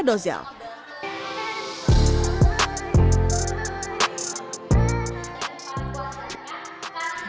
edozel penjualan berjualan live streaming